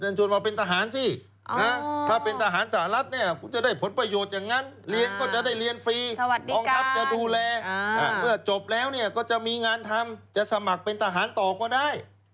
ชวนมาเป็นทหารสิถ้าเป็นทหารสหรัฐเนี่ยคุณจะได้ผลประโยชน์อย่างนั้นเรียนก็จะได้เรียนฟรีกองทัพจะดูแลเมื่อจบแล้วเนี่ยก็จะมีงานทำจะสมัครเป็นทหารต่อก็ได้